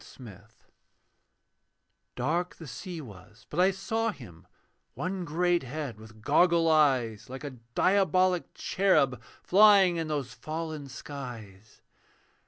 THE FISH Dark the sea was: but I saw him, One great head with goggle eyes, Like a diabolic cherub Flying in those fallen skies.